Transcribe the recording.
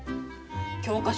教科書？